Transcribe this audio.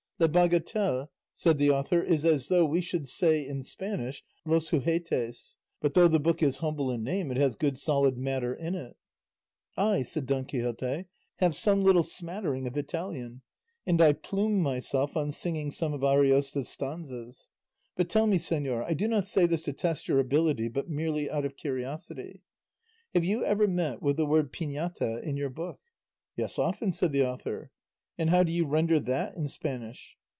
"Le Bagatelle," said the author, "is as though we should say in Spanish Los Juguetes; but though the book is humble in name it has good solid matter in it." "I," said Don Quixote, "have some little smattering of Italian, and I plume myself on singing some of Ariosto's stanzas; but tell me, señor I do not say this to test your ability, but merely out of curiosity have you ever met with the word pignatta in your book?" "Yes, often," said the author. "And how do you render that in Spanish?"